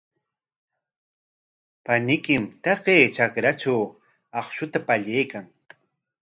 Paniykim taqay trakratraw akshuta pallaykan.